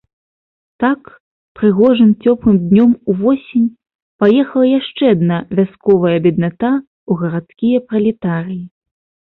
Так, прыгожым цёплым днём увосень, паехала яшчэ адна вясковая бедната ў гарадскія пралетарыі.